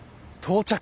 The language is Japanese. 到着。